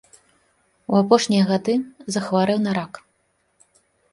У апошнія гады захварэў на рак.